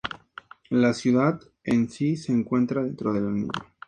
La ciudad en sí se encuentra dentro del anillo.